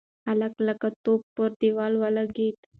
هلک لکه توپ پر دېوال ولگېد.